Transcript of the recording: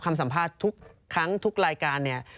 คำสัมภาษณ์ทุกครั้งทุกรายการเนี่ย